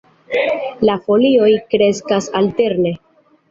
La folioj kreskas alterne.